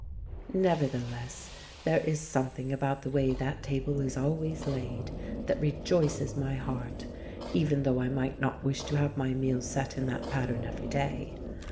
Nevertheless, there is something about the way that table is always laid that rejoices my heart, even though I might not wish to have my meals set in that pattern every day.